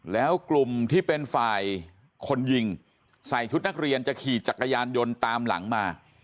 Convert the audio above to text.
แล้วกลุ่มที่เป็นฝ่ายคนยิงใส่ชุดนักเรียนจะขี่จักรยานยนต์ตามหลังมา